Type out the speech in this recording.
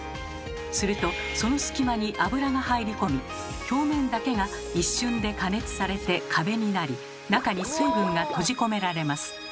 するとその隙間に油が入り込み表面だけが一瞬で加熱されて壁になり中に水分が閉じ込められます。